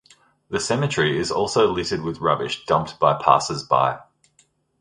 The cemetery is also littered with rubbish dumped by passers by.